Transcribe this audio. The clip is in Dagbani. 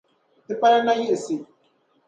Ti pala nayiɣisi.